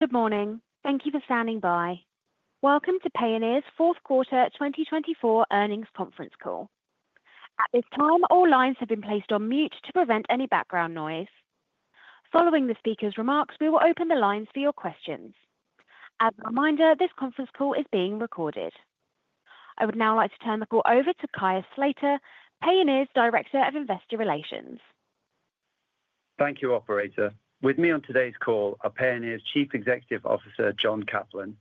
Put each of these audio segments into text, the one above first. Good morning. Thank you for standing by. Welcome to Payoneer's Q4 2024 Earnings Conference Call. At this time, all lines have been placed on mute to prevent any background noise. Following the speaker's remarks, we will open the lines for your questions. As a reminder, this conference call is being recorded. I would now like to turn the call over to Caius Slater, Payoneer's Director of Investor Relations. Thank you, Operator. With me on today's call are Payoneer's Chief Executive Officer, John Caplan,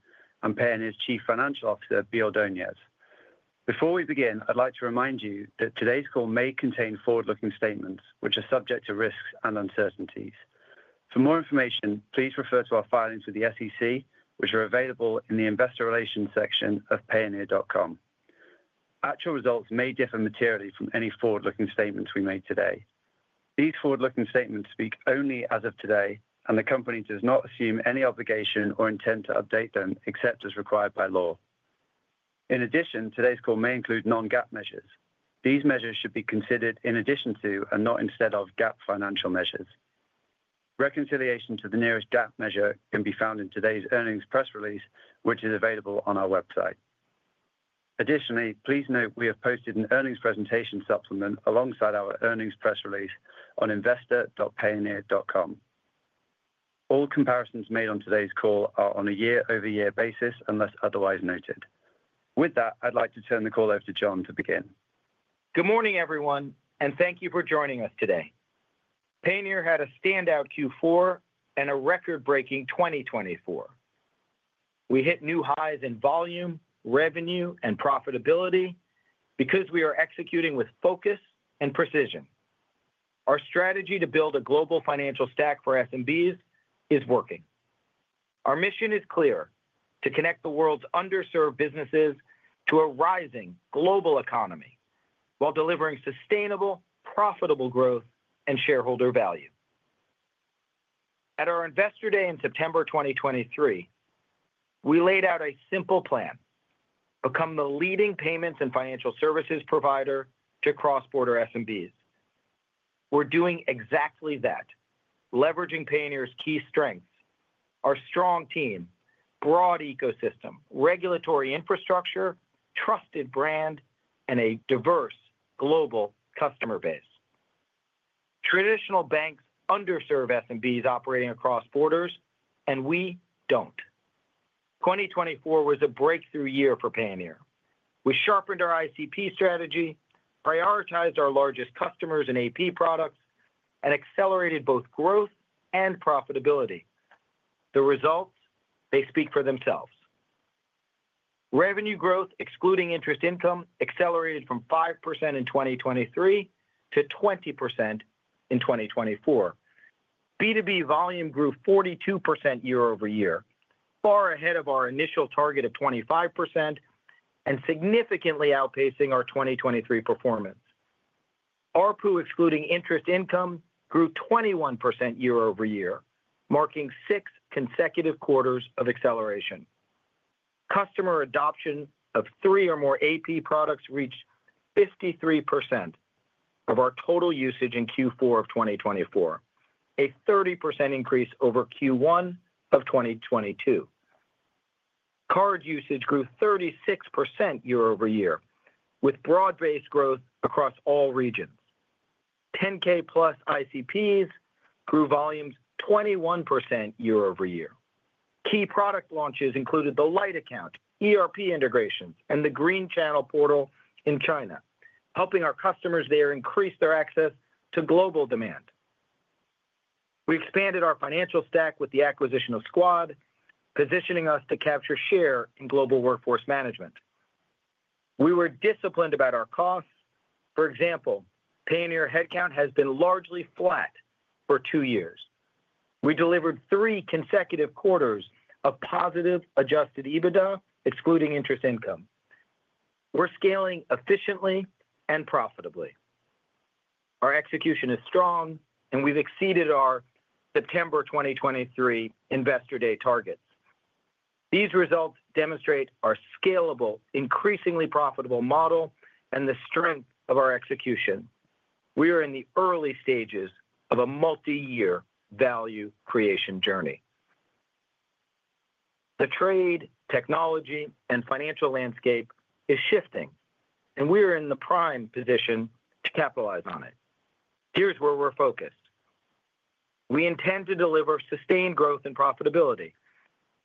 and Payoneer's Chief Financial Officer, Bea Ordonez. Before we begin, I'd like to remind you that today's call may contain forward-looking statements, which are subject to risks and uncertainties. For more information, please refer to our filings with the SEC, which are available in the Investor Relations section of payoneer.com. Actual results may differ materially from any forward-looking statements we made today. These forward-looking statements speak only as of today, and the company does not assume any obligation or intend to update them except as required by law. In addition, today's call may include non-GAAP measures. These measures should be considered in addition to and not instead of GAAP financial measures. Reconciliation to the nearest GAAP measure can be found in today's earnings press release, which is available on our website. Additionally, please note we have posted an earnings presentation supplement alongside our earnings press release on investor.payoneer.com. All comparisons made on today's call are on a year-over-year basis unless otherwise noted. With that, I'd like to turn the call over to John to begin. Good morning, everyone, and thank you for joining us today. Payoneer had a standout Q4 and a record-breaking 2024. We hit new highs in volume, revenue, and profitability because we are executing with focus and precision. Our strategy to build a global financial stack for SMBs is working. Our mission is clear: to connect the world's underserved businesses to a rising global economy while delivering sustainable, profitable growth and shareholder value. At our Investor Day in September 2023, we laid out a simple plan: become the leading payments and financial services provider to cross-border SMBs. We're doing exactly that, leveraging Payoneer's key strengths: our strong team, broad ecosystem, regulatory infrastructure, trusted brand, and a diverse global customer base. Traditional banks underserve SMBs operating across borders, and we don't. 2024 was a breakthrough year for Payoneer. We sharpened our ICP strategy, prioritized our largest customers and AP products, and accelerated both growth and profitability. The results? They speak for themselves. Revenue growth, excluding interest income, accelerated from 5% in 2023 to 20% in 2024. B2B volume grew 42% year-over-year, far ahead of our initial target of 25% and significantly outpacing our 2023 performance. ARPU, excluding interest income, grew 21% year-over-year, marking six consecutive quarters of acceleration. Customer adoption of three or more AP products reached 53% of our total usage in Q4 of 2024, a 30% increase over Q1 of 2022. Card usage grew 36% year-over-year, with broad-based growth across all regions. 10K+ ICPs grew volumes 21% year-over-year. Key product launches included the Lite account, ERP integrations, and the Green Channel portal in China, helping our customers there increase their access to global demand. We expanded our financial stack with the acquisition of Skuad, positioning us to capture share in global workforce management. We were disciplined about our costs. For example, Payoneer headcount has been largely flat for two years. We delivered three consecutive quarters of positive adjusted EBITDA, excluding interest income. We're scaling efficiently and profitably. Our execution is strong, and we've exceeded our September 2023 Investor Day targets. These results demonstrate our scalable, increasingly profitable model, and the strength of our execution. We are in the early stages of a multi-year value creation journey. The trade, technology, and financial landscape is shifting, and we are in the prime position to capitalize on it. Here's where we're focused. We intend to deliver sustained growth and profitability,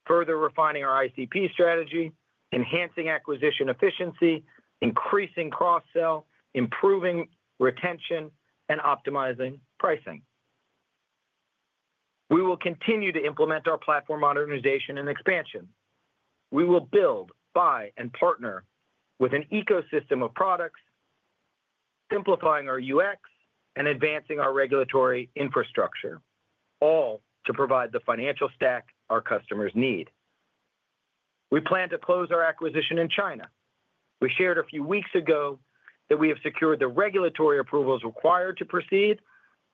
further refining our ICP strategy, enhancing acquisition efficiency, increasing cross-sell, improving retention, and optimizing pricing. We will continue to implement our platform modernization and expansion. We will build, buy, and partner with an ecosystem of products, simplifying our UX and advancing our regulatory infrastructure, all to provide the financial stack our customers need. We plan to close our acquisition in China. We shared a few weeks ago that we have secured the regulatory approvals required to proceed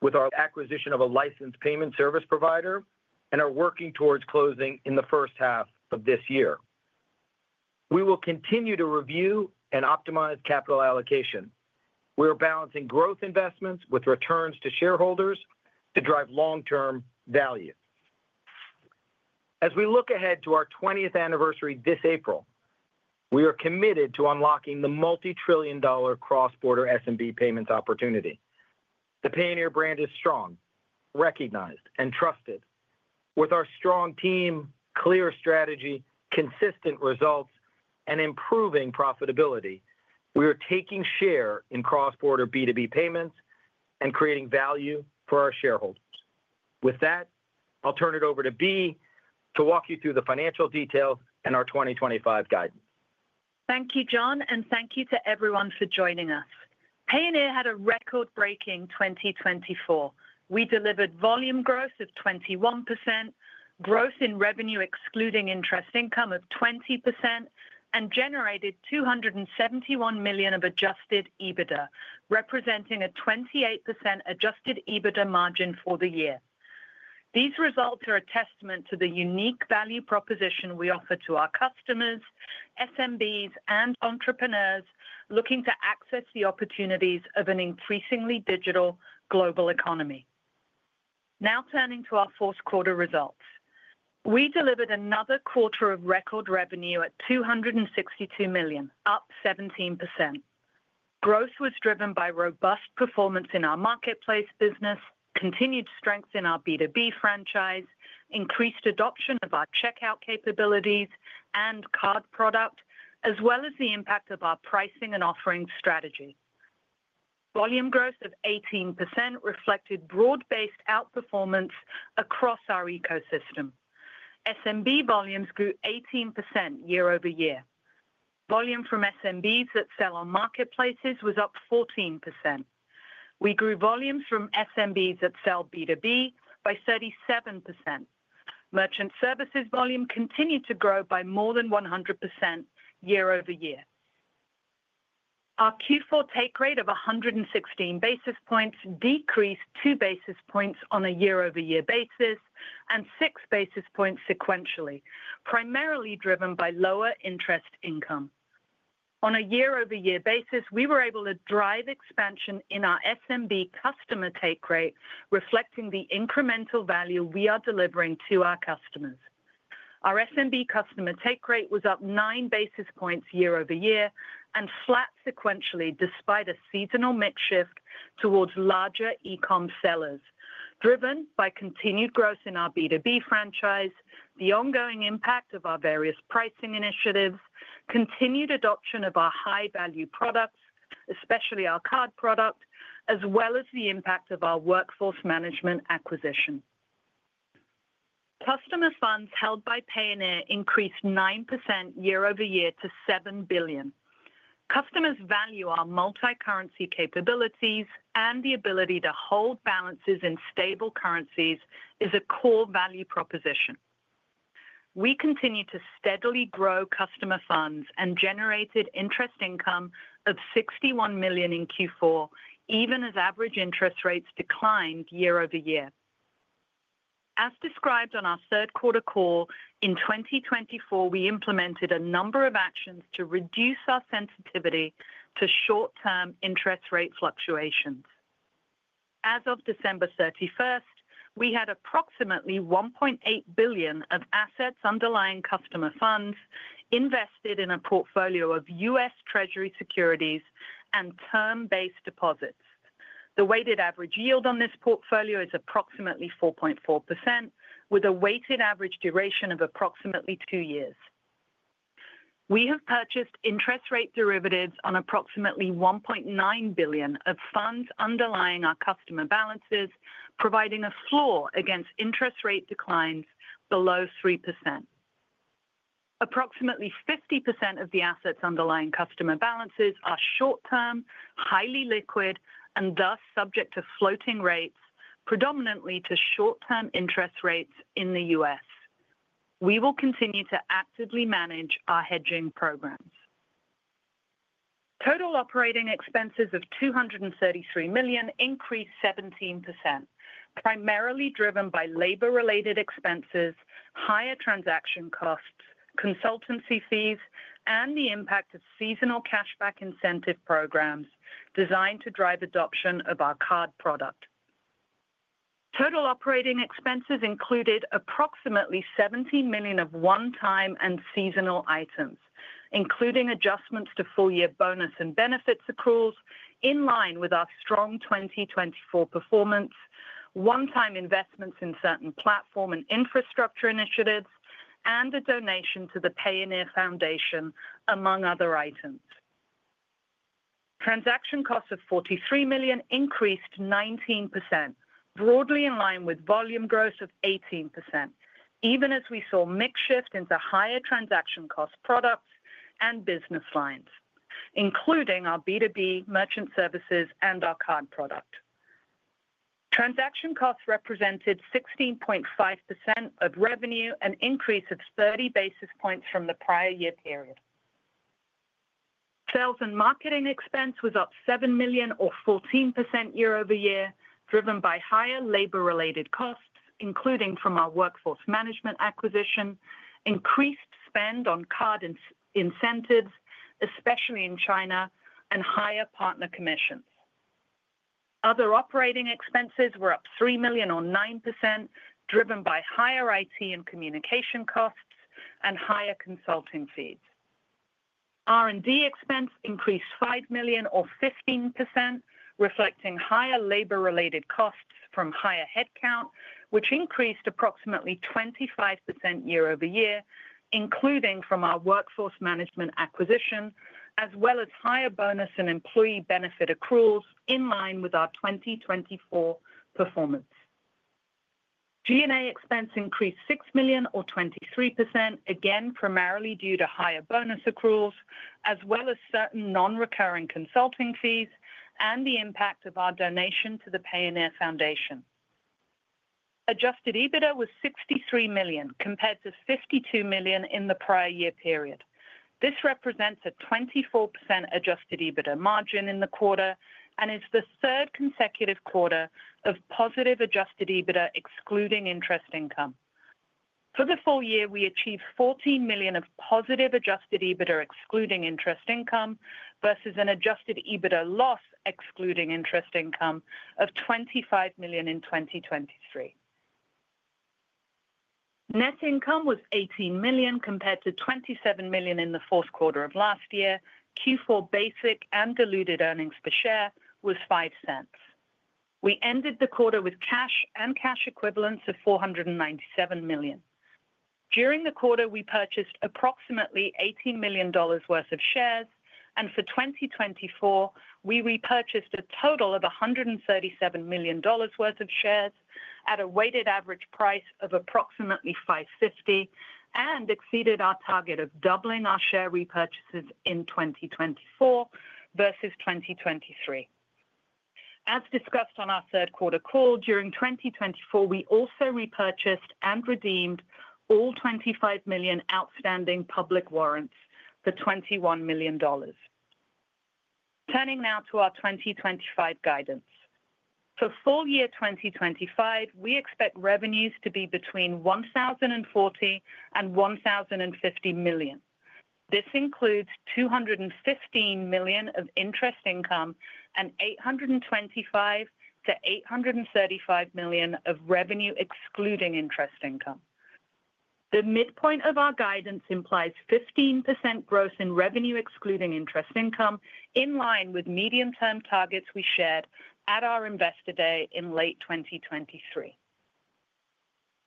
with our acquisition of a licensed payment service provider and are working towards closing in the first half of this year. We will continue to review and optimize capital allocation. We are balancing growth investments with returns to shareholders to drive long-term value. As we look ahead to our 20th anniversary this April, we are committed to unlocking the multi-trillion-dollar cross-border SMB payments opportunity. The Payoneer brand is strong, recognized, and trusted. With our strong team, clear strategy, consistent results, and improving profitability, we are taking share in cross-border B2B payments and creating value for our shareholders. With that, I'll turn it over to Bea to walk you through the financial details and our 2025 guidance. Thank you, John, and thank you to everyone for joining us. Payoneer had a record-breaking 2024. We delivered volume growth of 21%, growth in revenue excluding interest income of 20%, and generated $271 million of adjusted EBITDA, representing a 28% adjusted EBITDA margin for the year. These results are a testament to the unique value proposition we offer to our customers, SMBs, and entrepreneurs looking to access the opportunities of an increasingly digital global economy. Now turning to our Q4 results, we delivered another quarter of record revenue at $262 million, up 17%. Growth was driven by robust performance in our marketplace business, continued strength in our B2B franchise, increased adoption of our checkout capabilities and card product, as well as the impact of our pricing and offering strategy. Volume growth of 18% reflected broad-based outperformance across our ecosystem. SMB volumes grew 18% year-over-year. Volume from SMBs that sell on marketplaces was up 14%. We grew volumes from SMBs that sell B2B by 37%. Merchant services volume continued to grow by more than 100% year-over-year. Our Q4 take rate of 116 basis points decreased two basis points on a year-over-year basis and six basis points sequentially, primarily driven by lower interest income. On a year-over-year basis, we were able to drive expansion in our SMB customer take rate, reflecting the incremental value we are delivering to our customers. Our SMB customer take rate was up nine basis points year-over-year and flat sequentially despite a seasonal mix shift towards larger e-com sellers, driven by continued growth in our B2B franchise, the ongoing impact of our various pricing initiatives, continued adoption of our high-value products, especially our card product, as well as the impact of our workforce management acquisition. Customer funds held by Payoneer increased 9% year-over-year to $7 billion. Customers value our multi-currency capabilities, and the ability to hold balances in stable currencies is a core value proposition. We continue to steadily grow customer funds and generated interest income of $61 million in Q4, even as average interest rates declined year-over-year. As described on our Q3 call, in 2024, we implemented a number of actions to reduce our sensitivity to short-term interest rate fluctuations. As of December 31st, we had approximately $1.8 billion of assets underlying customer funds invested in a portfolio of U.S. Treasury securities and term-based deposits. The weighted average yield on this portfolio is approximately 4.4%, with a weighted average duration of approximately two years. We have purchased interest rate derivatives on approximately $1.9 billion of funds underlying our customer balances, providing a floor against interest rate declines below 3%. Approximately 50% of the assets underlying customer balances are short-term, highly liquid, and thus subject to floating rates, predominantly to short-term interest rates in the U.S. We will continue to actively manage our hedging programs. Total operating expenses of $233 million increased 17%, primarily driven by labor-related expenses, higher transaction costs, consultancy fees, and the impact of seasonal cashback incentive programs designed to drive adoption of our card product. Total operating expenses included approximately $70 million of one-time and seasonal items, including adjustments to full-year bonus and benefits accruals in line with our strong 2024 performance, one-time investments in certain platform and infrastructure initiatives, and a donation to the Payoneer Foundation, among other items. Transaction costs of $43 million increased 19%, broadly in line with volume growth of 18%, even as we saw a mix shift into higher transaction cost products and business lines, including our B2B merchant services and our card product. Transaction costs represented 16.5% of revenue, an increase of 30 basis points from the prior year period. Sales and marketing expense was up $7 million, or 14% year-over-year, driven by higher labor-related costs, including from our workforce management acquisition, increased spend on card incentives, especially in China, and higher partner commissions. Other operating expenses were up $3 million, or 9%, driven by higher IT and communication costs and higher consulting fees. R&D expense increased $5 million, or 15%, reflecting higher labor-related costs from higher headcount, which increased approximately 25% year-over-year, including from our workforce management acquisition, as well as higher bonus and employee benefit accruals in line with our 2024 performance. G&A expense increased $6 million, or 23%, again primarily due to higher bonus accruals, as well as certain non-recurring consulting fees and the impact of our donation to the Payoneer Foundation. Adjusted EBITDA was $63 million, compared to $52 million in the prior year period. This represents a 24% adjusted EBITDA margin in the quarter and is the third consecutive quarter of positive adjusted EBITDA excluding interest income. For the full year, we achieved $14 million of positive adjusted EBITDA excluding interest income versus an adjusted EBITDA loss excluding interest income of $25 million in 2023. Net income was $18 million, compared to $27 million in the Q4 of last year. Q4 basic and diluted earnings per share was $0.05. We ended the quarter with cash and cash equivalents of $497 million. During the quarter, we purchased approximately $18 million worth of shares, and for 2024, we repurchased a total of $137 million worth of shares at a weighted average price of approximately $5.50 and exceeded our target of doubling our share repurchases in 2024 versus 2023. As discussed on our Q3 call, during 2024, we also repurchased and redeemed all 25 million outstanding public warrants for $21 million. Turning now to our 2025 guidance. For full year 2025, we expect revenues to be between $1,040 million and $1,050 million. This includes $215 million of interest income and $825 million-$835 million of revenue excluding interest income. The midpoint of our guidance implies 15% growth in revenue excluding interest income in line with medium-term targets we shared at our Investor Day in late 2023.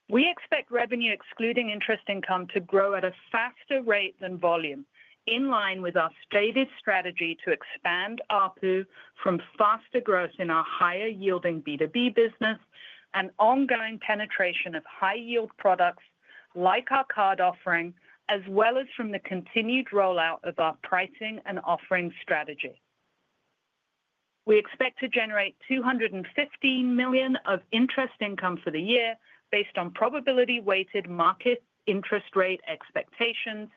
We expect revenue excluding interest income to grow at a faster rate than volume, in line with our stated strategy to expand ARPU from faster growth in our higher-yielding B2B business and ongoing penetration of high-yield products like our card offering, as well as from the continued rollout of our pricing and offering strategy. We expect to generate $215 million of interest income for the year based on probability-weighted market interest rate expectations,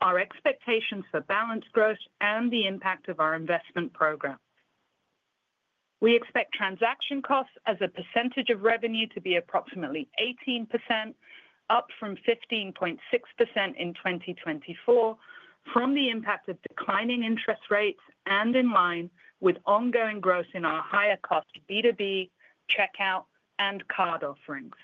our expectations for balance growth, and the impact of our investment program. We expect transaction costs as a percentage of revenue to be approximately 18%, up from 15.6% in 2024 from the impact of declining interest rates and in line with ongoing growth in our higher-cost B2B, checkout, and card offerings.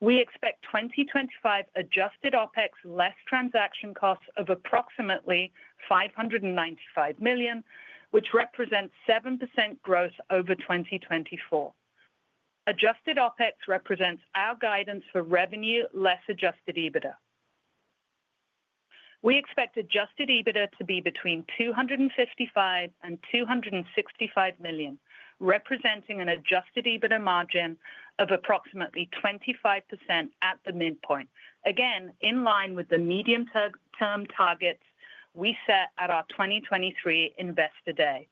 We expect 2025 adjusted OpEx less transaction costs of approximately $595 million, which represents 7% growth over 2024. Adjusted OpEx represents our guidance for revenue less adjusted EBITDA. We expect adjusted EBITDA to be between $255 million and $265 million, representing an adjusted EBITDA margin of approximately 25% at the midpoint, again in line with the medium-term targets we set at our 2023 Investor Day.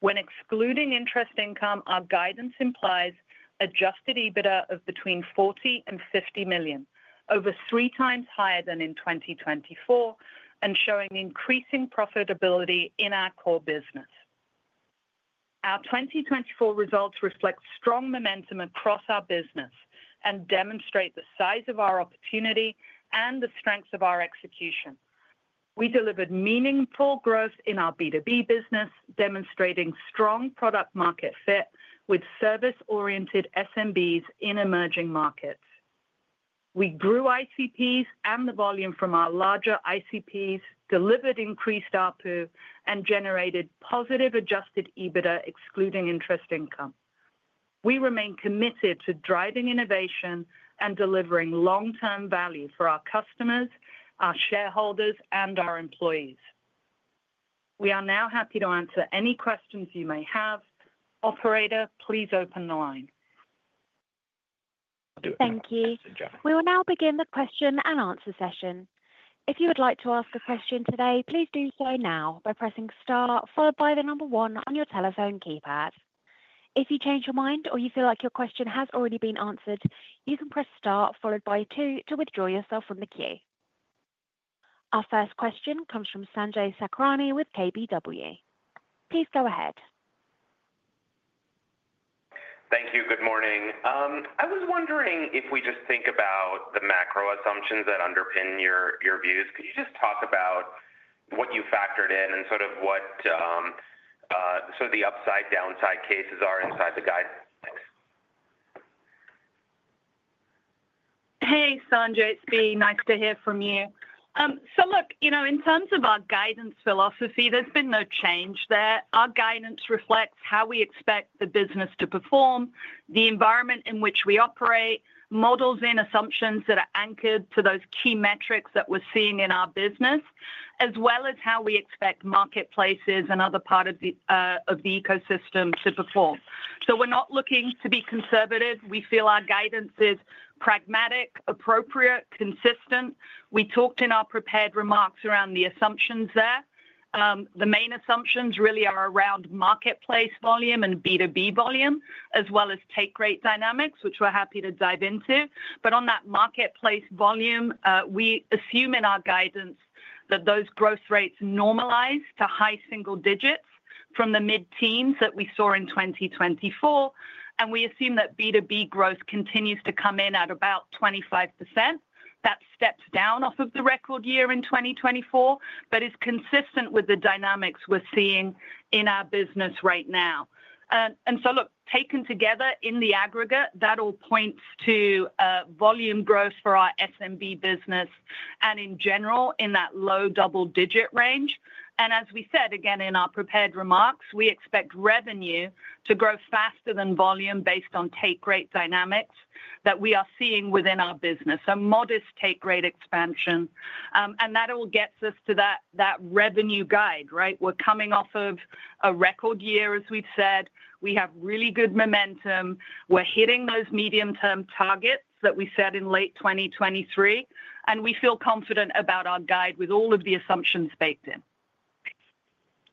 When excluding interest income, our guidance implies adjusted EBITDA of between $40 million and $50 million, over three times higher than in 2024 and showing increasing profitability in our core business. Our 2024 results reflect strong momentum across our business and demonstrate the size of our opportunity and the strengths of our execution. We delivered meaningful growth in our B2B business, demonstrating strong product-market fit with service-oriented SMBs in emerging markets. We grew ICPs and the volume from our larger ICPs delivered increased ARPU and generated positive adjusted EBITDA excluding interest income. We remain committed to driving innovation and delivering long-term value for our customers, our shareholders, and our employees. We are now happy to answer any questions you may have. Operator, please open the line. Thank you. We will now begin the question and answer session. If you would like to ask a question today, please do so now by pressing star, followed by the number one on your telephone keypad. If you change your mind or you feel like your question has already been answered, you can press star, followed by two to withdraw yourself from the queue. Our first question comes from Sanjay Sakhrani with KBW. Please go ahead. Thank you. Good morning. I was wondering if we just think about the macro assumptions that underpin your views. Could you just talk about what you factored in and sort of what the upside/downside cases are inside the guidance? Hey, Sanjay. It's been nice to hear from you. So look, in terms of our guidance philosophy, there's been no change there. Our guidance reflects how we expect the business to perform, the environment in which we operate, models and assumptions that are anchored to those key metrics that we're seeing in our business, as well as how we expect marketplaces and other parts of the ecosystem to perform. So we're not looking to be conservative. We feel our guidance is pragmatic, appropriate, consistent. We talked in our prepared remarks around the assumptions there. The main assumptions really are around marketplace volume and B2B volume, as well as take rate dynamics, which we're happy to dive into. But, on that marketplace volume, we assume in our guidance that those growth rates normalize to high single digits from the mid-teens that we saw in 2024, and we assume that B2B growth continues to come in at about 25%. That steps down off of the record year in 2024, but is consistent with the dynamics we're seeing in our business right now. And so look, taken together in the aggregate, that all points to volume growth for our SMB business and in general in that low double-digit range. And as we said, again, in our prepared remarks, we expect revenue to grow faster than volume based on take rate dynamics that we are seeing within our business, a modest take rate expansion. And that all gets us to that revenue guide, right? We're coming off of a record year, as we've said. We have really good momentum. We're hitting those medium-term targets that we set in late 2023, and we feel confident about our guide with all of the assumptions baked in.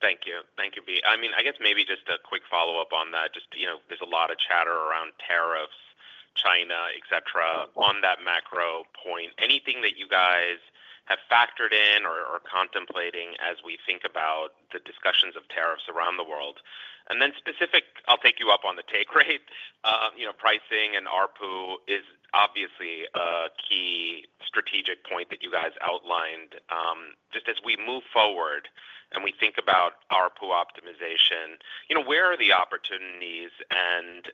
Thank you. Thank you, Bea. I mean, I guess maybe just a quick follow-up on that. Just there's a lot of chatter around tariffs, China, etc., on that macro point. Anything that you guys have factored in or contemplating as we think about the discussions of tariffs around the world? And then specific, I'll take you up on the take rate. Pricing and ARPU is obviously a key strategic point that you guys outlined. Just as we move forward and we think about ARPU optimization, where are the opportunities and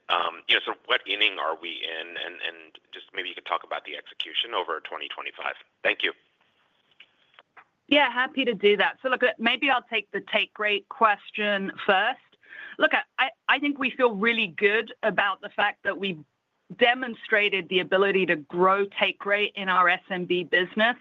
sort of what inning are we in? And just maybe you could talk about the execution over 2025. Thank you. Yeah, happy to do that. Look, maybe I'll take the take rate question first. Look, I think we feel really good about the fact that we demonstrated the ability to grow take rate in our SMB business.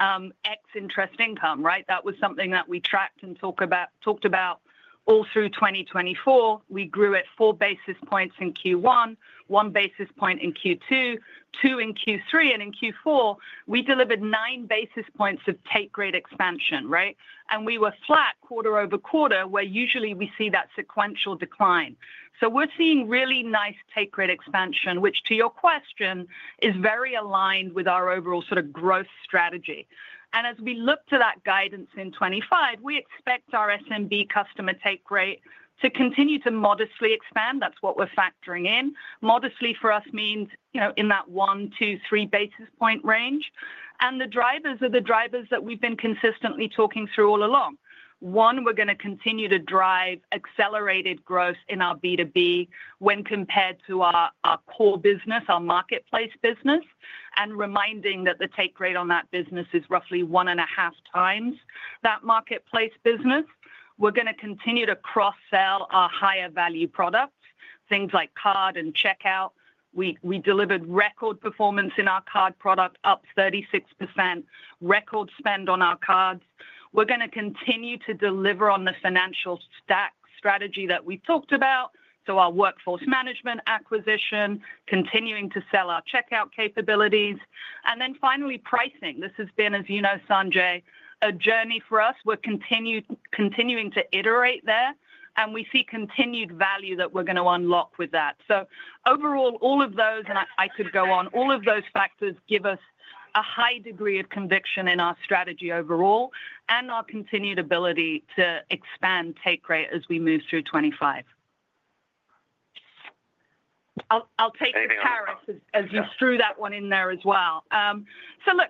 Ex-interest income, right? That was something that we tracked and talked about all through 2024. We grew at four basis points in Q1, one basis point in Q2, two in Q3, and in Q4, we delivered nine basis points of take rate expansion, right? We were flat quarter over quarter where usually we see that sequential decline. We're seeing really nice take rate expansion, which to your question is very aligned with our overall sort of growth strategy. As we look to that guidance in 2025, we expect our SMB customer take rate to continue to modestly expand. That's what we're factoring in. Modestly for us means in that one, two, three basis points range, and the drivers are the drivers that we've been consistently talking through all along. One, we're going to continue to drive accelerated growth in our B2B when compared to our core business, our marketplace business, and reminding that the take rate on that business is roughly one and a half times that marketplace business. We're going to continue to cross-sell our higher-value products, things like card and checkout. We delivered record performance in our card product, up 36%, record spend on our cards. We're going to continue to deliver on the financial stack strategy that we talked about, so our workforce management acquisition, continuing to sell our checkout capabilities, and then finally, pricing. This has been, as you know, Sanjay, a journey for us. We're continuing to iterate there, and we see continued value that we're going to unlock with that. So overall, all of those, and I could go on, all of those factors give us a high degree of conviction in our strategy overall and our continued ability to expand take rate as we move through 2025. I'll take the tariffs as you threw that one in there as well. So look,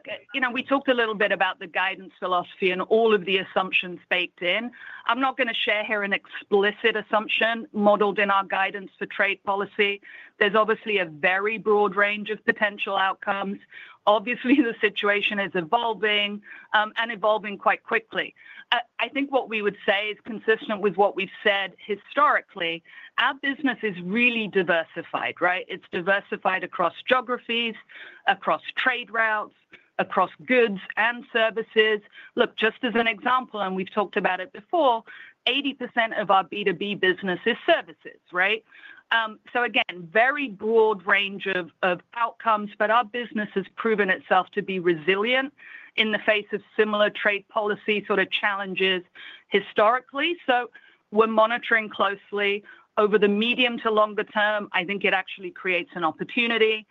we talked a little bit about the guidance philosophy and all of the assumptions baked in. I'm not going to share here an explicit assumption modeled in our guidance for trade policy. There's obviously a very broad range of potential outcomes. Obviously, the situation is evolving and evolving quite quickly. I think what we would say is consistent with what we've said historically. Our business is really diversified, right? It's diversified across geographies, across trade routes, across goods and services. Look, just as an example, and we've talked about it before, 80% of our B2B business is services, right? So again, very broad range of outcomes, but our business has proven itself to be resilient in the face of similar trade policy sort of challenges historically. So we're monitoring closely over the medium to longer term. I think it actually creates an opportunity.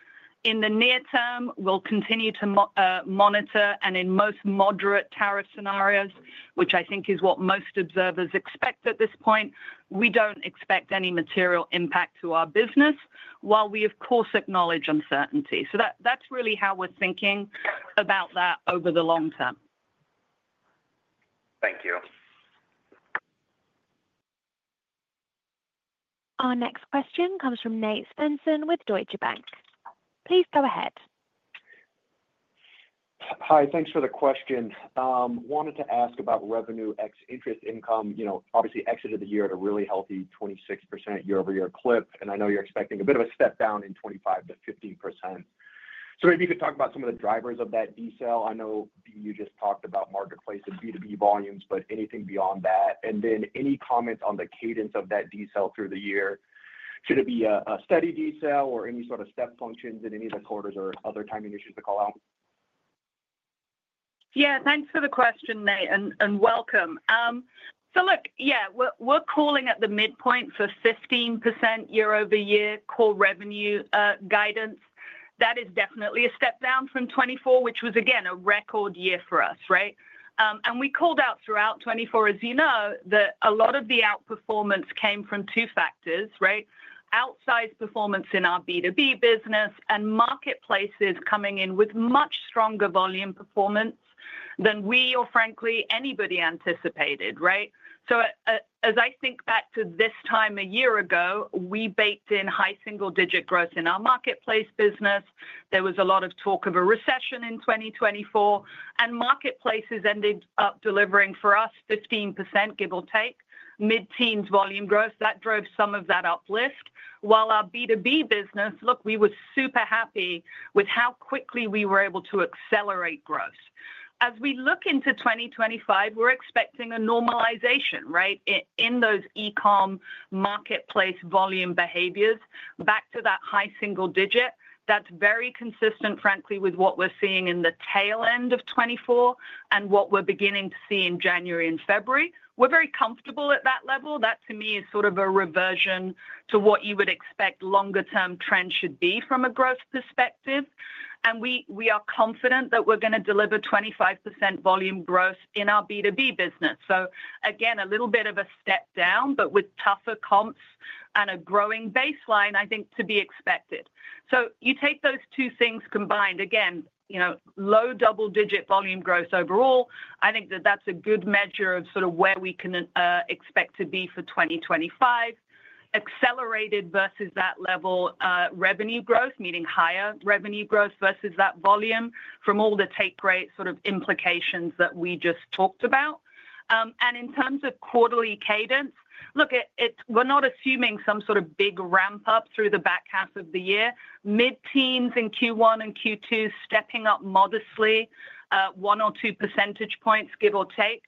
In the near term, we'll continue to monitor, and in most moderate tariff scenarios, which I think is what most observers expect at this point, we don't expect any material impact to our business, while we, of course, acknowledge uncertainty. So that's really how we're thinking about that over the long term. Thank you. Our next question comes from Nate Svensson with Deutsche Bank. Please go ahead. Hi, thanks for the question. Wanted to ask about revenue ex-interest income. Obviously exited the year at a really healthy 26% year-over-year clip, and I know you're expecting a bit of a step down in 2025 to 15%. So maybe you could talk about some of the drivers of that decel. I know you just talked about marketplace and B2B volumes, but anything beyond that? And then any comments on the cadence of that decel through the year? Should it be a steady decel or any sort of step functions in any of the quarters or other timing issues to call out? Yeah, thanks for the question, Nate, and welcome. So look, yeah, we're calling at the midpoint for 15% year-over-year core revenue guidance. That is definitely a step down from 2024, which was, again, a record year for us, right? And we called out throughout 2024, as you know, that a lot of the outperformance came from two factors, right? Outsized performance in our B2B business and marketplaces coming in with much stronger volume performance than we or, frankly, anybody anticipated, right? So as I think back to this time a year ago, we baked in high single-digit growth in our marketplace business. There was a lot of talk of a recession in 2024, and marketplaces ended up delivering for us 15%, give or take, mid-teens volume growth. That drove some of that uplift. While our B2B business, look, we were super happy with how quickly we were able to accelerate growth. As we look into 2025, we're expecting a normalization, right, in those e-com marketplace volume behaviors, back to that high single digit. That's very consistent, frankly, with what we're seeing in the tail end of 2024 and what we're beginning to see in January and February. We're very comfortable at that level. That, to me, is sort of a reversion to what you would expect longer-term trends should be from a growth perspective. And we are confident that we're going to deliver 25% volume growth in our B2B business. So again, a little bit of a step down, but with tougher comps and a growing baseline, I think, to be expected. So you take those two things combined, again, low double-digit volume growth overall, I think that that's a good measure of sort of where we can expect to be for 2025. Accelerated versus that level revenue growth, meaning higher revenue growth versus that volume from all the take rate sort of implications that we just talked about. And in terms of quarterly cadence, look, we're not assuming some sort of big ramp-up through the back half of the year. Mid-teens in Q1 and Q2 stepping up modestly, one or two percentage points, give or take.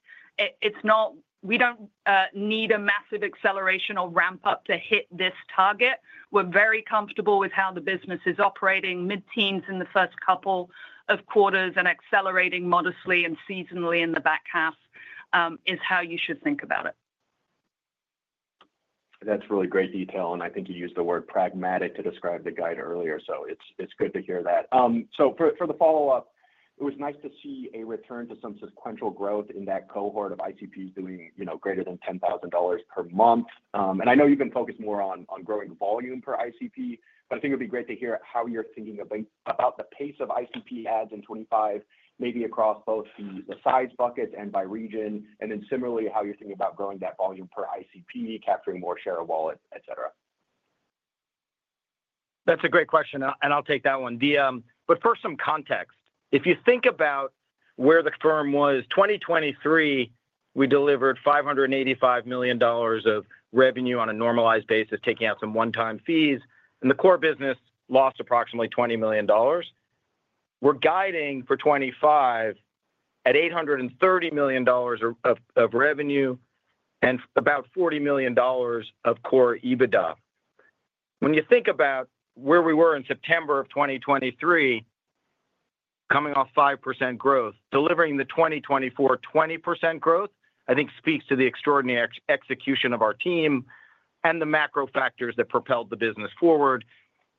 We don't need a massive acceleration or ramp-up to hit this target. We're very comfortable with how the business is operating. Mid-teens in the first couple of quarters and accelerating modestly and seasonally in the back half is how you should think about it. That's really great detail. And I think you used the word pragmatic to describe the guide earlier, so it's good to hear that. So for the follow-up, it was nice to see a return to some sequential growth in that cohort of ICPs doing greater than $10,000 per month. And I know you've been focused more on growing volume per ICP, but I think it would be great to hear how you're thinking about the pace of ICP adds in 2025, maybe across both the size bucket and by region, and then similarly how you're thinking about growing that volume per ICP, capturing more share of wallet, etc. That's a great question, and I'll take that one. But for some context, if you think about where the firm was in 2023, we delivered $585 million of revenue on a normalized basis, taking out some one-time fees, and the core business lost approximately $20 million. We're guiding for 2025 at $830 million of revenue and about $40 million of core EBITDA. When you think about where we were in September of 2023, coming off 5% growth, delivering the 2024 20% growth, I think speaks to the extraordinary execution of our team and the macro factors that propelled the business forward.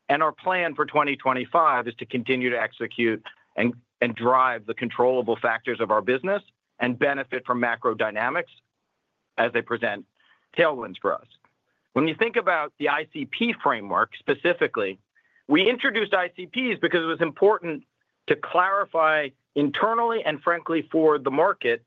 And our plan for 2025 is to continue to execute and drive the controllable factors of our business and benefit from macro dynamics as they present tailwinds for us. When you think about the ICP framework specifically, we introduced ICPs because it was important to clarify internally and frankly for the market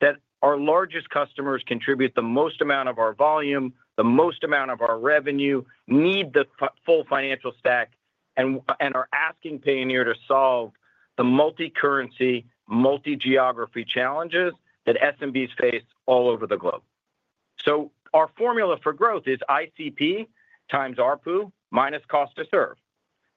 that our largest customers contribute the most amount of our volume, the most amount of our revenue, need the full financial stack, and are asking Payoneer to solve the multi-currency, multi-geography challenges that SMBs face all over the globe. So our formula for growth is ICP times ARPU minus cost to serve.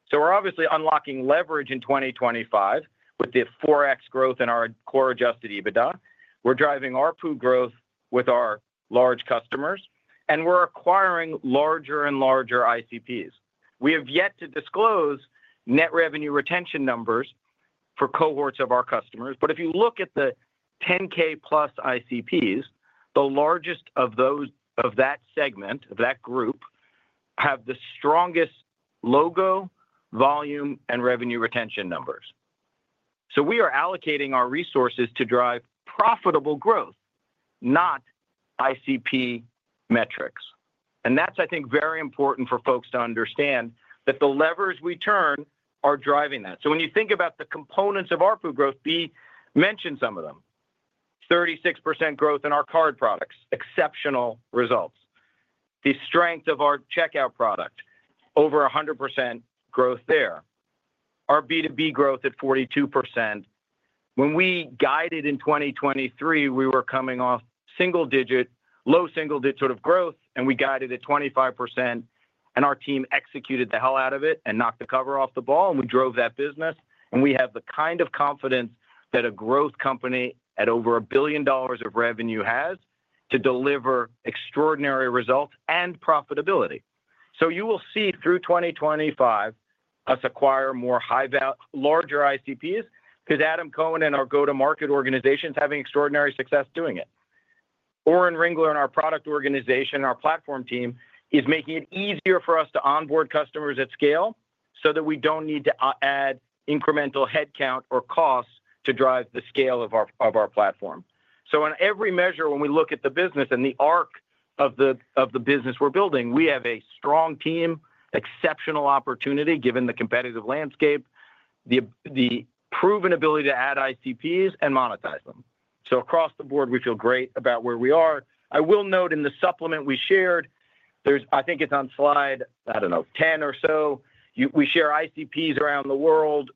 So we're obviously unlocking leverage in 2025 with the 4x growth in our core adjusted EBITDA. We're driving ARPU growth with our large customers, and we're acquiring larger and larger ICPs. We have yet to disclose net revenue retention numbers for cohorts of our customers, but if you look at the 10K+ ICPs, the largest of that segment, of that group, have the strongest logo, volume, and revenue retention numbers. So we are allocating our resources to drive profitable growth, not ICP metrics. And that's, I think, very important for folks to understand that the levers we turn are driving that. So when you think about the components of ARPU growth, Bea mentioned some of them. 36% growth in our card products, exceptional results. The strength of our checkout product, over 100% growth there. Our B2B growth at 42%. When we guided in 2023, we were coming off single-digit, low single-digit sort of growth, and we guided at 25%, and our team executed the hell out of it and knocked the cover off the ball, and we drove that business, and we have the kind of confidence that a growth company at over $1 billion of revenue has to deliver extraordinary results and profitability. So you will see through 2025 us acquire more larger ICPs because Adam Cohen and our go-to-market organization is having extraordinary success doing it. Oren Ringler and our product organization, our platform team, is making it easier for us to onboard customers at scale so that we don't need to add incremental headcount or costs to drive the scale of our platform. So on every measure, when we look at the business and the arc of the business we're building, we have a strong team, exceptional opportunity given the competitive landscape, the proven ability to add ICPs and monetize them. So across the board, we feel great about where we are. I will note in the supplement we shared. I think it's on slide. I don't know, 10 or so. We share ICPs around the world,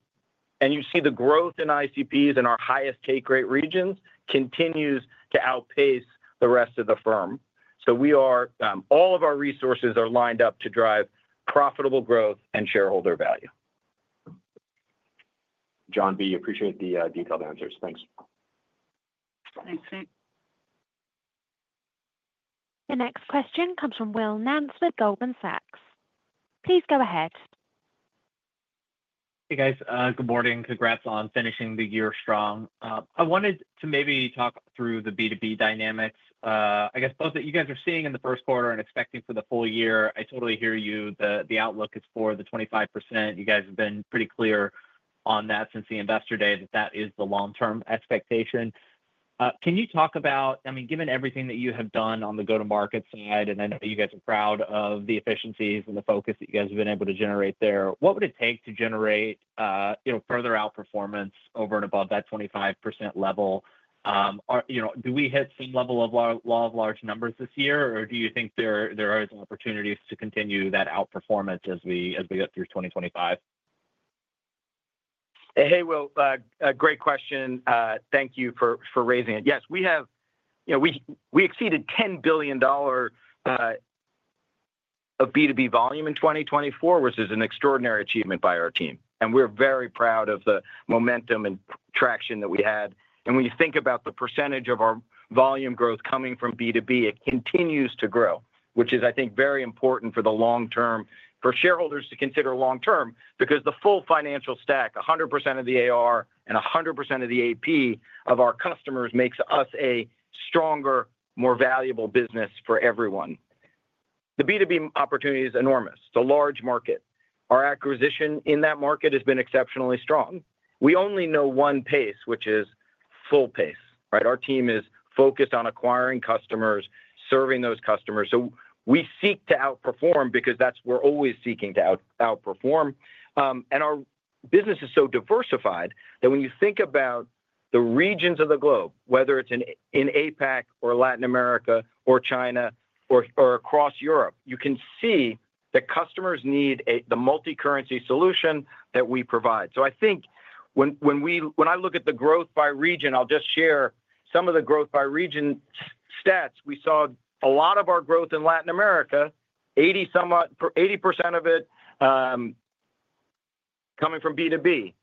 and you see the growth in ICPs in our highest take rate regions continues to outpace the rest of the firm. So all of our resources are lined up to drive profitable growth and shareholder value. John, Bea, appreciate the detailed answers. Thanks. Thanks, Nate. The next question comes from Will Nance, Goldman Sachs. Please go ahead. Hey, guys. Good morning. Congrats on finishing the year strong. I wanted to maybe talk through the B2B dynamics. I guess both that you guys are seeing in the Q1 and expecting for the full year. I totally hear you. The outlook is for the 25%. You guys have been pretty clear on that since the Investor Day that that is the long-term expectation. Can you talk about, I mean, given everything that you have done on the go-to-market side, and I know you guys are proud of the efficiencies and the focus that you guys have been able to generate there, what would it take to generate further outperformance over and above that 25% level? Do we hit some level of law of large numbers this year, or do you think there are opportunities to continue that outperformance as we get through 2025? Hey, Will, great question. Thank you for raising it. Yes, we exceeded $10 billion of B2B volume in 2024, which is an extraordinary achievement by our team, and we're very proud of the momentum and traction that we had, and when you think about the percentage of our volume growth coming from B2B, it continues to grow, which is, I think, very important for the long term, for shareholders to consider long term because the full financial stack, 100% of the AR and 100% of the AP of our customers makes us a stronger, more valuable business for everyone. The B2B opportunity is enormous. It's a large market. Our acquisition in that market has been exceptionally strong. We only know one pace, which is full pace, right? Our team is focused on acquiring customers, serving those customers, so we seek to outperform because that's what we're always seeking to outperform. And our business is so diversified that when you think about the regions of the globe, whether it's in APAC or Latin America or China or across Europe, you can see that customers need the multi-currency solution that we provide. So I think when I look at the growth by region, I'll just share some of the growth by region stats. We saw a lot of our growth in Latin America, 80% of it coming from B2B.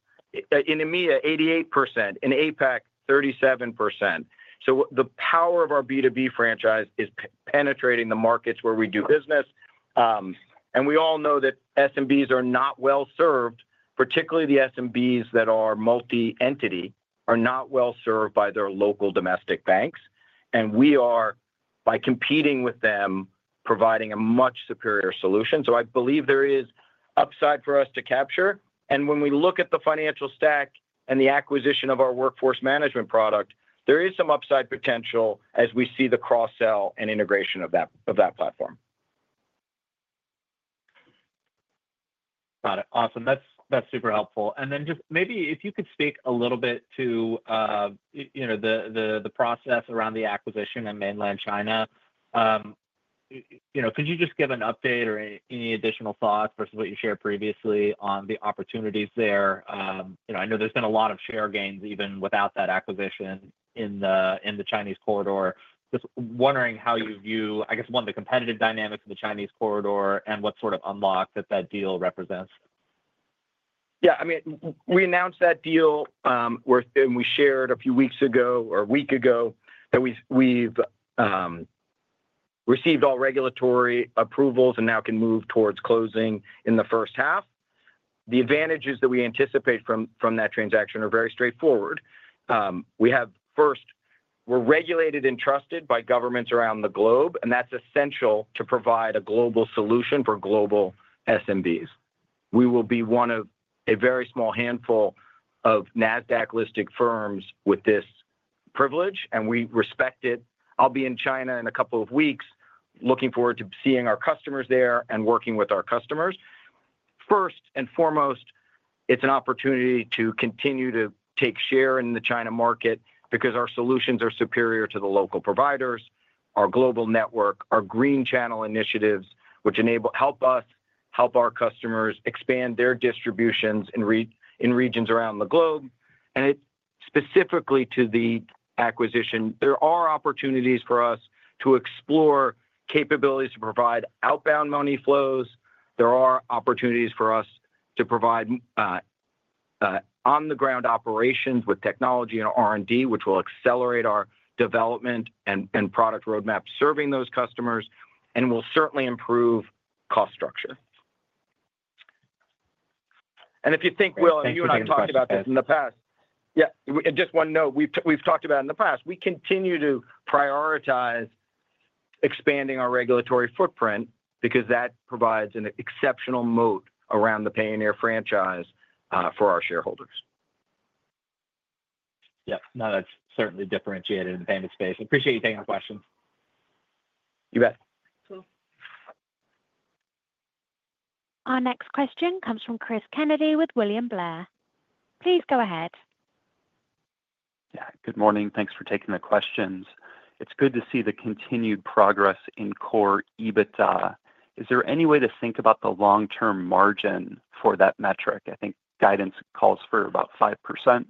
In EMEA, 88%. In APAC, 37%. So the power of our B2B franchise is penetrating the markets where we do business. And we all know that SMBs are not well served, particularly the SMBs that are multi-entity are not well served by their local domestic banks. And we are, by competing with them, providing a much superior solution. So I believe there is upside for us to capture. When we look at the financial stack and the acquisition of our workforce management product, there is some upside potential as we see the cross-sell and integration of that platform. Got it. Awesome. That's super helpful. Then just maybe if you could speak a little bit to the process around the acquisition in mainland China, could you just give an update or any additional thoughts versus what you shared previously on the opportunities there? I know there's been a lot of share gains even without that acquisition in the Chinese corridor. Just wondering how you view, I guess, one of the competitive dynamics of the Chinese corridor and what sort of unlock that deal represents. Yeah. I mean, we announced that deal and we shared a few weeks ago or a week ago that we've received all regulatory approvals and now can move towards closing in the first half. The advantages that we anticipate from that transaction are very straightforward. We have, first, we're regulated and trusted by governments around the globe, and that's essential to provide a global solution for global SMBs. We will be one of a very small handful of Nasdaq-listed firms with this privilege, and we respect it. I'll be in China in a couple of weeks, looking forward to seeing our customers there and working with our customers. First and foremost, it's an opportunity to continue to take share in the China market because our solutions are superior to the local providers, our global network, our Green Channel initiatives, which help us help our customers expand their distributions in regions around the globe, and specifically to the acquisition, there are opportunities for us to explore capabilities to provide outbound money flows. There are opportunities for us to provide on-the-ground operations with technology and R&D, which will accelerate our development and product roadmap serving those customers and will certainly improve cost structure. If you think, Will, you and I have talked about this in the past, yeah, just one note, we've talked about it in the past. We continue to prioritize expanding our regulatory footprint because that provides an exceptional moat around the Payoneer franchise for our shareholders. Yep. No, that's certainly differentiated in the payment space. Appreciate you taking the questions. You bet. Cool. Our next question comes from Cris Kennedy with William Blair. Please go ahead. Yeah. Good morning. Thanks for taking the questions. It's good to see the continued progress in core EBITDA. Is there any way to think about the long-term margin for that metric? I think guidance calls for about 5% in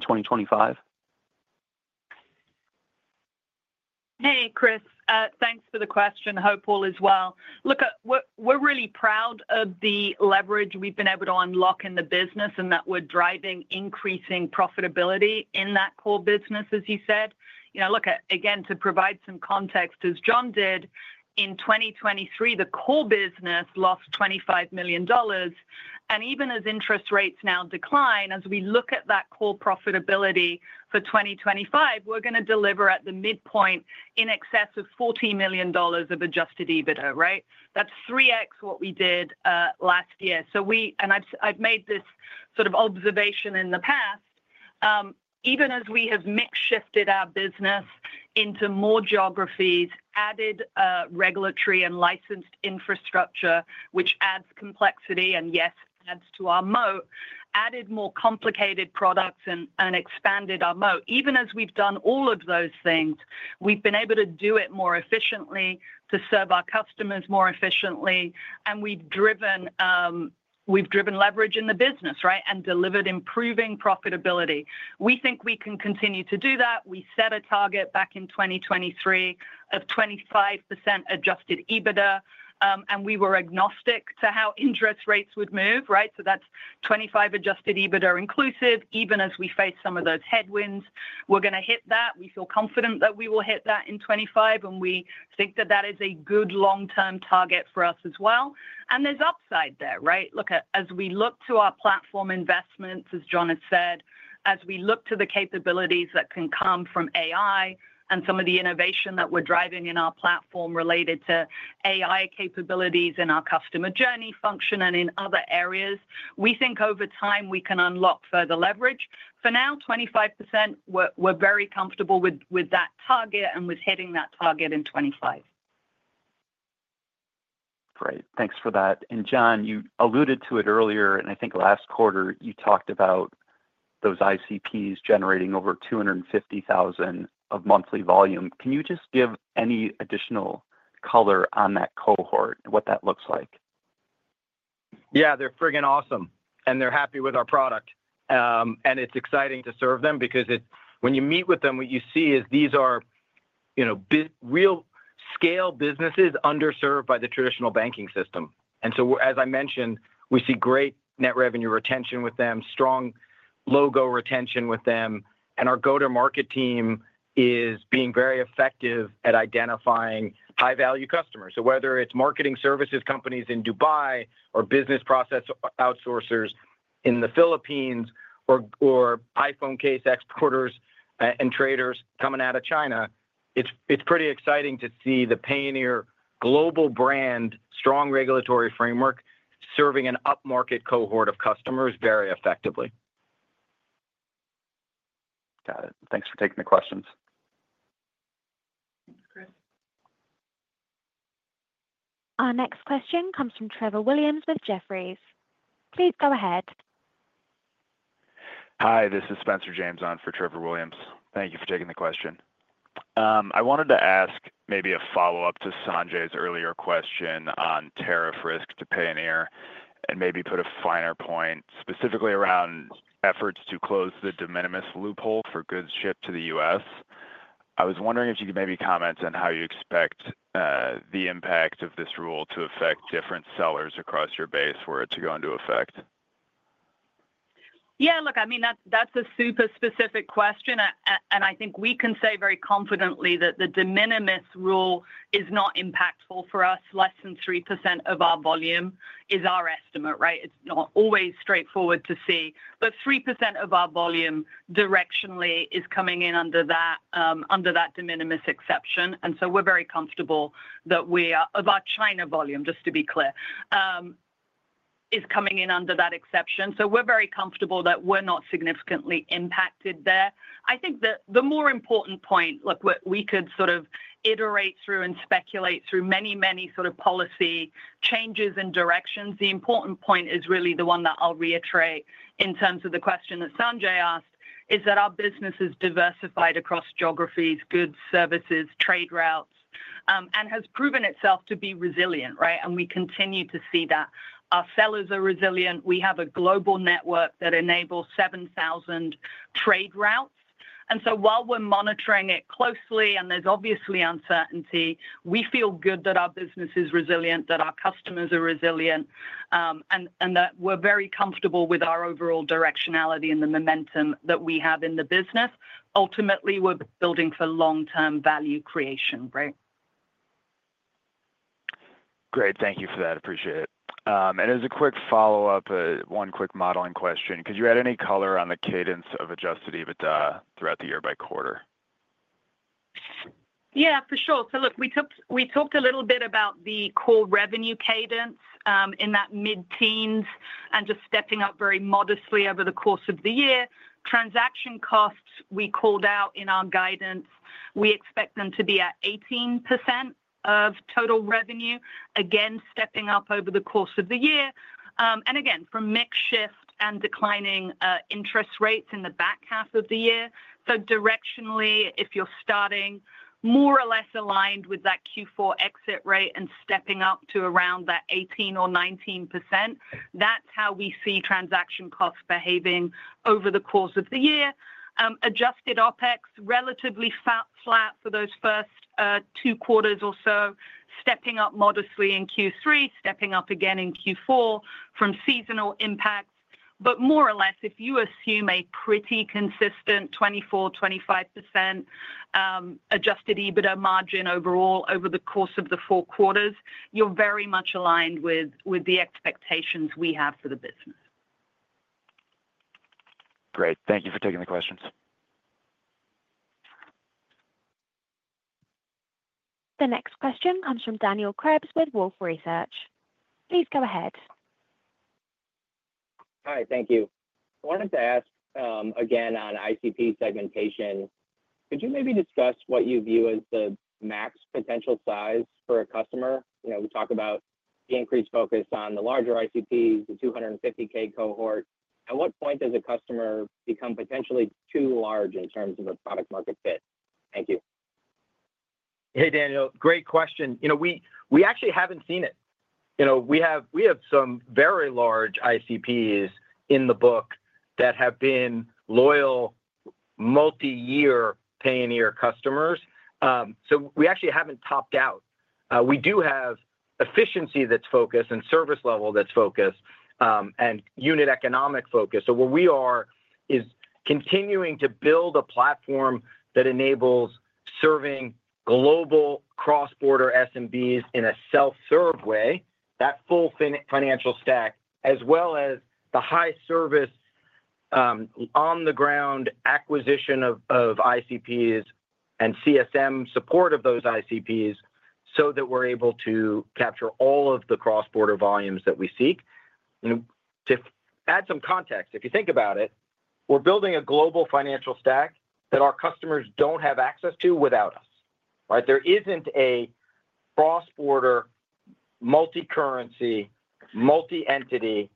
2025. Hey, Cris. Thanks for the question. Hope all is well. Look, we're really proud of the leverage we've been able to unlock in the business and that we're driving increasing profitability in that core business, as you said. Look, again, to provide some context, as John did, in 2023, the core business lost $25 million. And even as interest rates now decline, as we look at that core profitability for 2025, we're going to deliver at the midpoint in excess of $40 million of adjusted EBITDA, right? That's 3x what we did last year. And I've made this sort of observation in the past. Even as we have mix has shifted our business into more geographies, added regulatory and licensed infrastructure, which adds complexity and, yes, adds to our moat, added more complicated products and expanded our moat. Even as we've done all of those things, we've been able to do it more efficiently to serve our customers more efficiently, and we've driven leverage in the business, right, and delivered improving profitability. We think we can continue to do that. We set a target back in 2023 of 25% adjusted EBITDA, and we were agnostic to how interest rates would move, right? So that's 25% adjusted EBITDA inclusive, even as we face some of those headwinds. We're going to hit that. We feel confident that we will hit that in 2025, and we think that that is a good long-term target for us as well. And there's upside there, right? Look, as we look to our platform investments, as John has said, as we look to the capabilities that can come from AI and some of the innovation that we're driving in our platform related to AI capabilities in our customer journey function and in other areas, we think over time we can unlock further leverage. For now, 25%, we're very comfortable with that target and with hitting that target in 2025. Great. Thanks for that. And John, you alluded to it earlier, and I think last quarter you talked about those ICPs generating over 250,000 of monthly volume. Can you just give any additional color on that cohort and what that looks like? Yeah, they're frigging awesome, and they're happy with our product. And it's exciting to serve them because when you meet with them, what you see is these are real scale businesses underserved by the traditional banking system. And so, as I mentioned, we see great net revenue retention with them, strong logo retention with them, and our go-to-market team is being very effective at identifying high-value customers. So whether it's marketing services companies in Dubai or business process outsourcers in the Philippines or iPhone case exporters and traders coming out of China, it's pretty exciting to see the Payoneer global brand, strong regulatory framework, serving an up-market cohort of customers very effectively. Got it. Thanks for taking the questions. Thanks, Cris. Our next question comes from Trevor Williams with Jefferies. Please go ahead. Hi, this is Spencer James for Trevor Williams. Thank you for taking the question. I wanted to ask maybe a follow-up to Sanjay's earlier question on tariff risk to Payoneer and maybe put a finer point specifically around efforts to close the de minimis loophole for goods shipped to the U.S. I was wondering if you could maybe comment on how you expect the impact of this rule to affect different sellers across your base where it's going to affect? Yeah. Look, I mean, that's a super specific question, and I think we can say very confidently that the de minimis rule is not impactful for us. Less than 3% of our volume is our estimate, right? It's not always straightforward to see, but 3% of our volume directionally is coming in under that de minimis exception. And so we're very comfortable that we are of our China volume, just to be clear, is coming in under that exception. So we're very comfortable that we're not significantly impacted there. I think that the more important point, look, we could sort of iterate through and speculate through many, many sort of policy changes and directions. The important point is really the one that I'll reiterate in terms of the question that Sanjay asked, is that our business is diversified across geographies, goods, services, trade routes, and has proven itself to be resilient, right? And we continue to see that. Our sellers are resilient. We have a global network that enables 7,000 trade routes. And so while we're monitoring it closely and there's obviously uncertainty, we feel good that our business is resilient, that our customers are resilient, and that we're very comfortable with our overall directionality and the momentum that we have in the business. Ultimately, we're building for long-term value creation, right? Great. Thank you for that. Appreciate it. As a quick follow-up, one quick modeling question. Could you add any color on the cadence of adjusted EBITDA throughout the year by quarter? Yeah, for sure. Look, we talked a little bit about the core revenue cadence in that mid-teens and just stepping up very modestly over the course of the year. Transaction costs we called out in our guidance, we expect them to be at 18% of total revenue, again, stepping up over the course of the year. And again, from mix shift and declining interest rates in the back half of the year. Directionally, if you're starting more or less aligned with that Q4 exit rate and stepping up to around that 18% or 19%, that's how we see transaction costs behaving over the course of the year. Adjusted OpEx relatively flat for those first two quarters or so, stepping up modestly in Q3, stepping up again in Q4 from seasonal impacts. But more or less, if you assume a pretty consistent 24%-25% adjusted EBITDA margin overall over the course of the four quarters, you're very much aligned with the expectations we have for the business. Great. Thank you for taking the questions. The next question comes from Daniel Krebs with Wolfe Research. Please go ahead. Hi. Thank you. I wanted to ask again on ICP segmentation. Could you maybe discuss what you view as the max potential size for a customer? We talk about the increased focus on the larger ICPs, the 250K cohort. At what point does a customer become potentially too large in terms of a product-market fit? Thank you. Hey, Daniel. Great question. We actually haven't seen it. We have some very large ICPs in the book that have been loyal multi-year Payoneer customers. So we actually haven't topped out. We do have efficiency that's focused and service level that's focused and unit economic focus. So where we are is continuing to build a platform that enables serving global cross-border SMBs in a self-serve way, that full financial stack, as well as the high service on-the-ground acquisition of ICPs and CSM support of those ICPs so that we're able to capture all of the cross-border volumes that we seek. To add some context, if you think about it, we're building a global financial stack that our customers don't have access to without us, right? There isn't a cross-border multi-currency, multi-entity,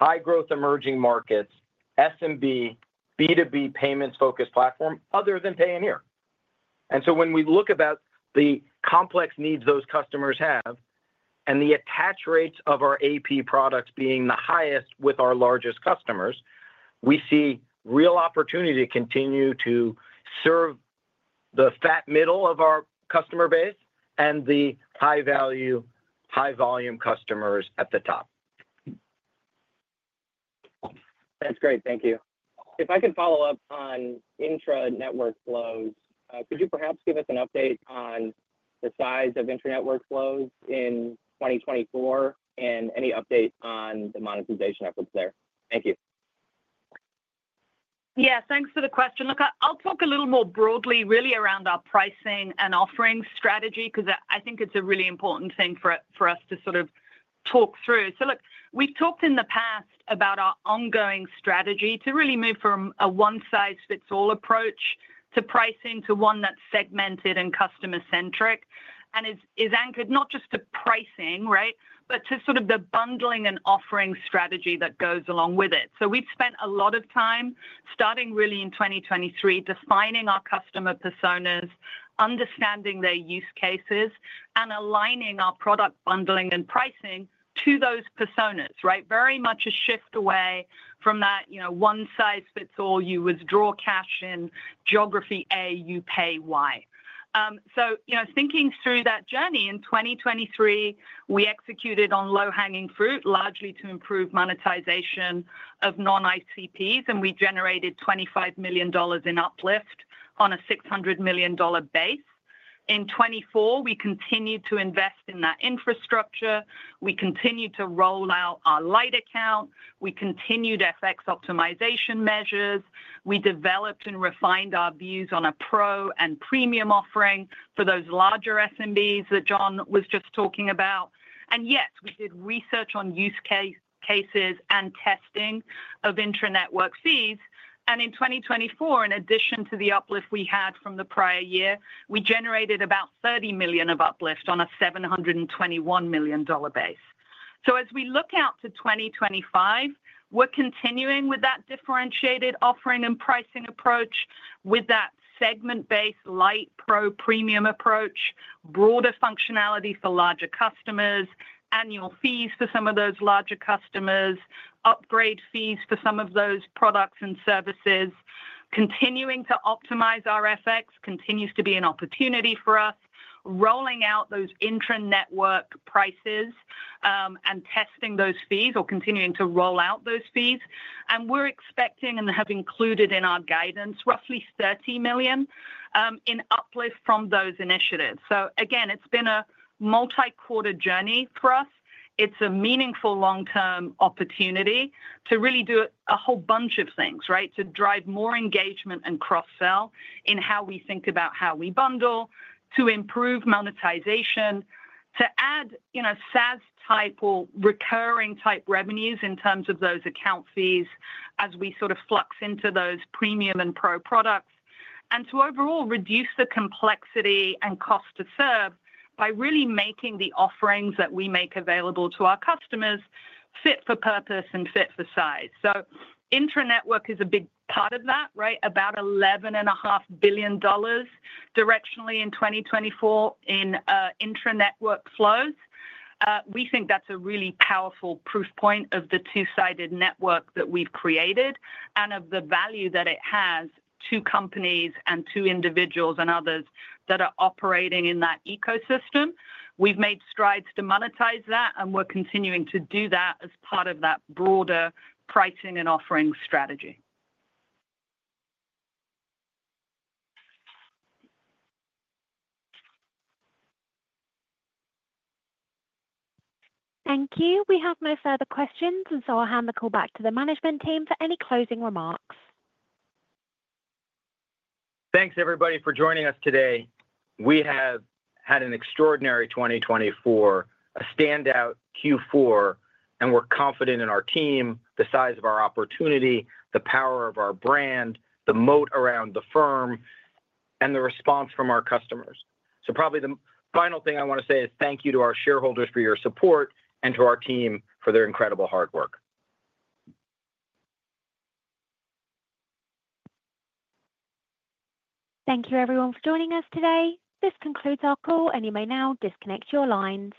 high-growth emerging markets, SMB, B2B payments-focused platform other than Payoneer. And so when we look about the complex needs those customers have and the attach rates of our AP products being the highest with our largest customers, we see real opportunity to continue to serve the fat middle of our customer base and the high-value, high-volume customers at the top. That's great. Thank you. If I can follow up on intra-network flows, could you perhaps give us an update on the size of intra-network flows in 2024 and any update on the monetization efforts there? Thank you. Yeah. Thanks for the question. Look, I'll talk a little more broadly, really, around our pricing and offering strategy because I think it's a really important thing for us to sort of talk through. So look, we've talked in the past about our ongoing strategy to really move from a one-size-fits-all approach to pricing to one that's segmented and customer-centric and is anchored not just to pricing, right, but to sort of the bundling and offering strategy that goes along with it. So we've spent a lot of time starting really in 2023, defining our customer personas, understanding their use cases, and aligning our product bundling and pricing to those personas, right? Very much a shift away from that one-size-fits-all. You withdraw cash in geography A, you pay Y. So thinking through that journey in 2023, we executed on low-hanging fruit, largely to improve monetization of non-ICPs, and we generated $25 million in uplift on a $600 million base. In 2024, we continued to invest in that infrastructure. We continued to roll out our Lite Account. We continued FX optimization measures. We developed and refined our views on a Pro and Premium offering for those larger SMBs that John was just talking about. And yes, we did research on use cases and testing of intra-network fees. And in 2024, in addition to the uplift we had from the prior year, we generated about $30 million of uplift on a $721 million base. So as we look out to 2025, we're continuing with that differentiated offering and pricing approach with that segment-based Lite, Pro, Premium approach, broader functionality for larger customers, annual fees for some of those larger customers, upgrade fees for some of those products and services. Continuing to optimize our FX continues to be an opportunity for us, rolling out those intra-network prices and testing those fees or continuing to roll out those fees. And we're expecting and have included in our guidance roughly $30 million in uplift from those initiatives. So again, it's been a multi-quarter journey for us. It's a meaningful long-term opportunity to really do a whole bunch of things, right, to drive more engagement and cross-sell in how we think about how we bundle, to improve monetization, to add SaaS-type or recurring-type revenues in terms of those account fees as we sort of flux into those Premium and Pro products, and to overall reduce the complexity and cost to serve by really making the offerings that we make available to our customers fit for purpose and fit for size. So intra-network is a big part of that, right? About $11.5 billion directionally in 2024 in intra-network flows. We think that's a really powerful proof point of the two-sided network that we've created and of the value that it has to companies and to individuals and others that are operating in that ecosystem. We've made strides to monetize that, and we're continuing to do that as part of that broader pricing and offering strategy. Thank you. We have no further questions, and so I'll hand the call back to the management team for any closing remarks. Thanks, everybody, for joining us today. We have had an extraordinary 2024, a standout Q4, and we're confident in our team, the size of our opportunity, the power of our brand, the moat around the firm, and the response from our customers. So probably the final thing I want to say is thank you to our shareholders for your support and to our team for their incredible hard work. Thank you, everyone, for joining us today. This concludes our call, and you may now disconnect your lines.